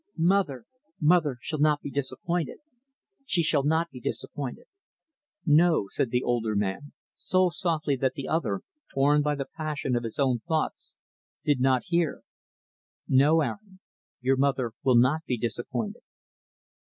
Mother mother shall not be disappointed she shall not be disappointed." "No," said the older man, so softly that the other, torn by the passion of his own thoughts, did not hear, "No, Aaron, your mother will not be disappointed."